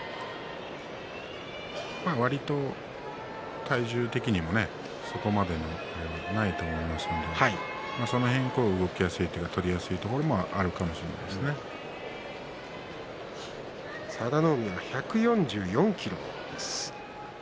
わりと体重的にもそこまでないと思いますのでその辺、動きやすいというか取りやすいところがあると佐田の海は１４４ｋｇです。